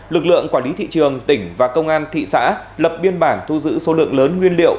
lực lượng quản lý thị trường tỉnh và công an thị xã lập biên bản thu giữ số lượng lớn nguyên liệu